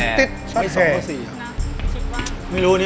ให้๒กระสี